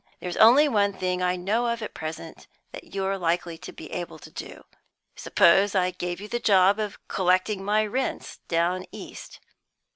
"There's only one thing I know of at present that you're likely to be able to do. Suppose I gave you the job of collecting my rents down east."